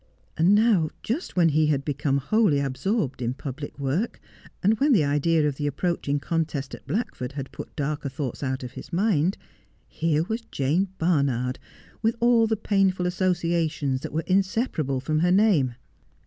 And now just when he had become wholly absorbed in public work, and when the idea of the approaching contest at Black ford had put darker thoughts out of his mind, here was Jane Barnard, with all the painful associations that were insepar able from her name.